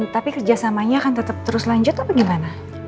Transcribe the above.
tapi kerjasamanya akan tetap terus lanjut apa gimana